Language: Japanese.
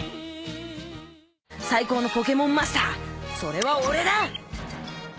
最高のポケモンマスターそれは俺だ。